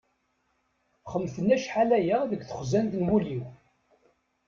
Xemten acḥal aya deg texzant n wul-is.